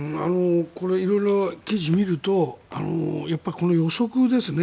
これ、色々な記事を見るとこの予測ですね